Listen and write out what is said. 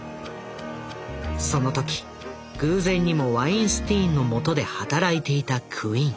その時偶然にもワインスティーンのもとで働いていたクイン。